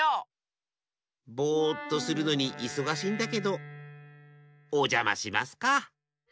ぼっとするのにいそがしいんだけどおじゃましますか！